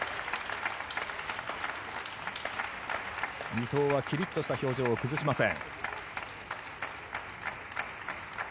伊藤はキリッとした表情を崩しません。